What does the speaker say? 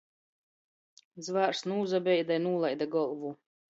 Zvārs nūsabeida i nūlaide golvu.